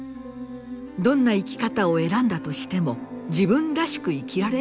どんな生き方を選んだとしても自分らしく生きられる様になっている。